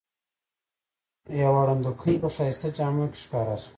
یوه ړندوکۍ په ښایسته جامو کې ښکاره شوه.